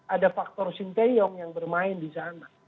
ada faktor sinteyong yang bermain di sana